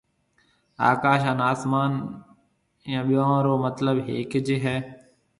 آڪاش هانَ آسمان اِيئون ٻيئون رو مطلب ھيَََڪج ھيََََ۔